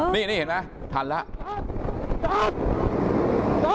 นี่เห็นไหมทันแล้ว